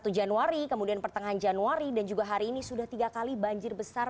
satu januari kemudian pertengahan januari dan juga hari ini sudah tiga kali banjir besar